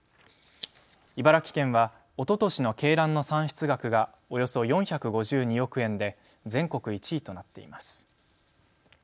茨城県はおととしの鶏卵の産出額がおよそ４５２億円で全国１位となっています。